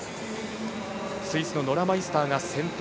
スイスのノラ・マイスターが先頭。